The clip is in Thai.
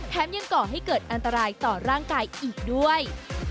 ยังก่อให้เกิดอันตรายต่อร่างกายอีกด้วย